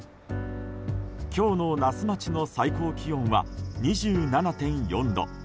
今日の那須町の最高気温は２７．４度。